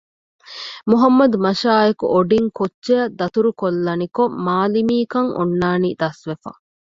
މުޙައްމަދު މަށާއެކު އޮޑިން ކޮއްޗެއަށް ދަތުރެއްކޮށްލަނިކޮށް މާލިމީކަން އޮންނާނީ ދަސްވެފަ